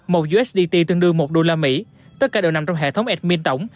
một usdt tương đương một usd tất cả đều nằm trong hệ thống admin tổng